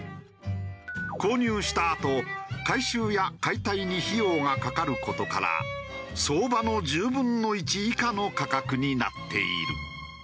購入したあと改修や解体に費用がかかる事から相場の１０分の１以下の価格になっている。